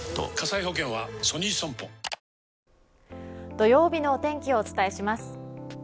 土曜日のお天気をお伝えします。